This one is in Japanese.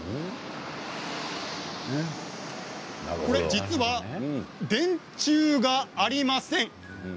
実は電柱がありません。